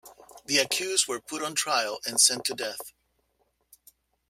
The accused were put on trial and sent to death.